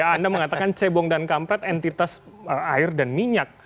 anda mengatakan cebong dan kampret entitas air dan minyak